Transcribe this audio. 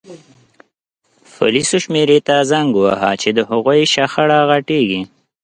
پولیسو شمېرې ته زنګ ووهه چې د هغوی شخړه غټیږي